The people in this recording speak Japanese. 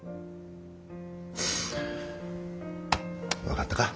分かったか。